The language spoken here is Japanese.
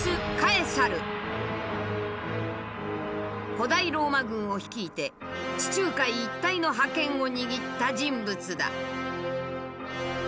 古代ローマ軍を率いて地中海一帯の覇権を握った人物だ。